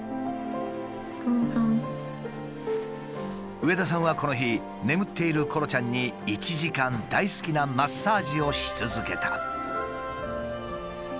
上田さんはこの日眠っているコロちゃんに１時間大好きなマッサージをし続けた。